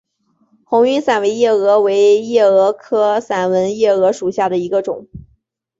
红晕散纹夜蛾为夜蛾科散纹夜蛾属下的一个种。